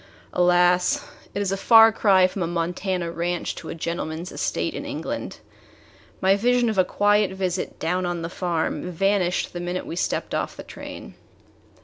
Alas! It is a far cry from a Montana ranch to a gentleman's estate in England! My vision of a quiet visit "down on a farm" vanished the minute we stepped off the train.